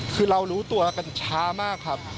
คือเรารู้ตัวกันช้ามากครับ